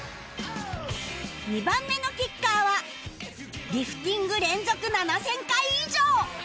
２番目のキッカーはリフティング連続７０００回以上